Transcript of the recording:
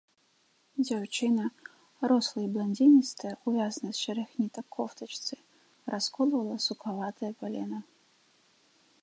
Дзяўчына, рослая і бландзіністая, у вязанай з шэрых нітак кофтачцы, расколвала сукаватае палена.